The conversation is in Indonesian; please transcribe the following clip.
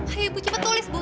ayo ibu cepat tulis bu